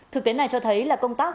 thực tế này cho thấy là công tác